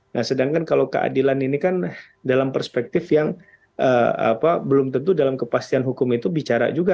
nah sedangkan kalau keadilan ini kan dalam perspektif yang belum tentu dalam kepastian hukum itu bicara juga